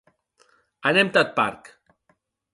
Anem tath parc.